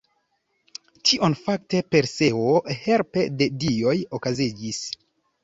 Tion fakte Perseo helpe de dioj okazigis.